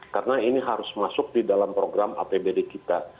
karena ini harus masuk di dalam program apbd kita